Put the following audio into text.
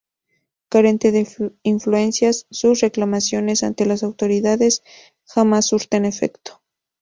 Carente de influencias, sus reclamaciones ante las autoridades jamás surten efecto.